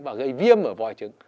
và gây viêm ở vòi trứng